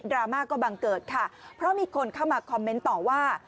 รามาก็บังเกิดค่ะเพราะมีคนเข้ามาคอมเมนต์ต่อว่า